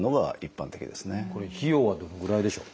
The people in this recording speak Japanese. これ費用はどのぐらいでしょう？